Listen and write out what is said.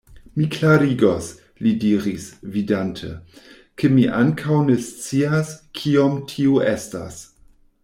Mi klarigos, li diris, vidante, ke mi ankaŭ ne scias, kiom tio estas.